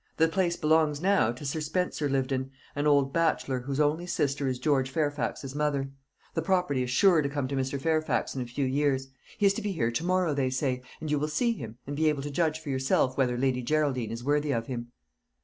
The place belongs now to Sir Spencer Lyvedon, an old bachelor, whose only sister is George Fairfax's mother. The property is sure to come to Mr. Fairfax in a few years. He is to be here to morrow, they say; and you will see him, and be able to judge for yourself whether Lady Geraldine is worthy of him."